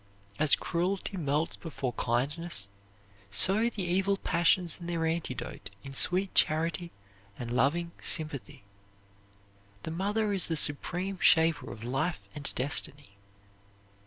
As cruelty melts before kindness, so the evil passions and their antidote in sweet charity and loving sympathy. The mother is the supreme shaper of life and destiny.